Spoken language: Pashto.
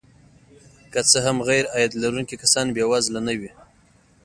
که څه هم غیرعاید لرونکي کسان بې وزله نه وي